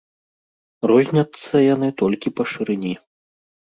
Розняцца яны толькі па шырыні.